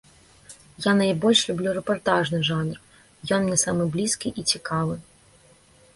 Я найбольш люблю рэпартажны жанр, ён мне самы блізкі і цікавы.